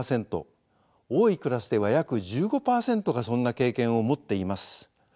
多いクラスでは約１５％がそんな経験を持っています。